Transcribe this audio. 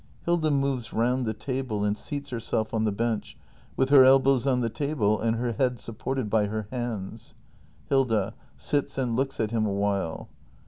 [Hilda moves round the table and seats herself on the bench, with her elbows on the table, and her head supported by her hands. Hilda. [Sits and looks at him awhile.